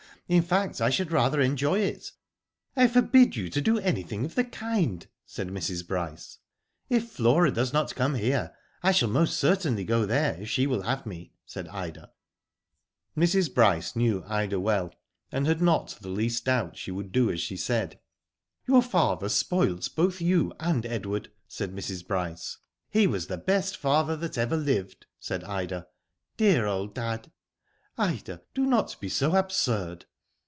In fact I should rather enjoy it." " I forbid you to do anything of the kind/^ said Mrs. Bryce. *' If Flora does not come here, I shall most certainly go there, if she will have me/' said Ida, Mrs. Bryce knew Ida well, and had not the least doubt she would do as she said. Digitized byGoogk THE ARTIST. 55 Your father spoilt both you and Edward/' said Mrs. Bryce. " He was the best father that ever lived," said Ida. *^Dear old dad!'* '* Ida, do not be so absurd."